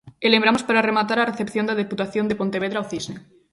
E lembramos para rematar a recepción da Deputación de Pontevedra ao Cisne.